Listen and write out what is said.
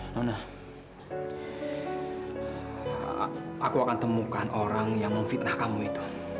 nona aku akan temukan orang yang memfitnah kamu itu